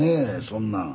そんなん。